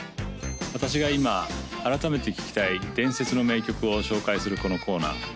私が今改めて聴きたい伝説の名曲を紹介するこのコーナー